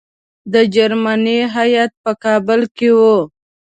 د جرمني هیات په کابل کې وو.